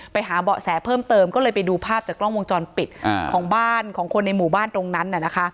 ไปหาเบาะแสเพิ่มเติมก็เลยไปดูภาพจากกล้องวงจรปิดของบ้านของคนในหมู่บ้านตรงนั้นน่ะนะคะ